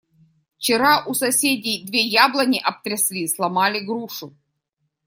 Вчера у соседей две яблони обтрясли, сломали грушу.